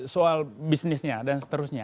soal bisnisnya dan seterusnya